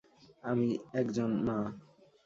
আমি একজন মা।